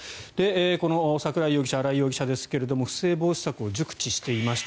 この桜井容疑者新井容疑者ですけど不正防止策を熟知していました。